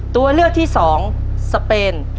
ตัวเลือกที่๒สเปน